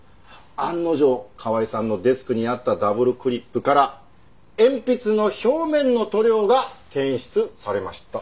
案の定川井さんのデスクにあったダブルクリップから鉛筆の表面の塗料が検出されました。